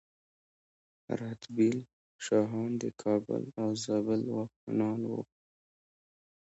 رتبیل شاهان د کابل او زابل واکمنان وو